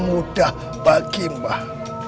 mudah bagi mbah